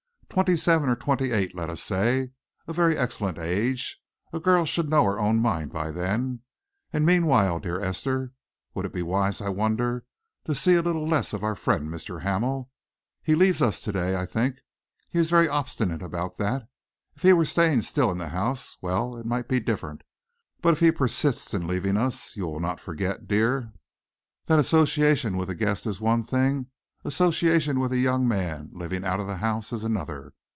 Twenty seven or twenty eight, let us say. A very excellent age! A girl should know her own mind by then. And meanwhile, dear Esther, would it be wise, I wonder, to see a little less of our friend Mr. Hamel? He leaves us to day, I think. He is very obstinate about that. If he were staying still in the house, well, it might be different. But if he persists in leaving us, you will not forget, dear, that association with a guest is one thing; association with a young man living out of the house is another.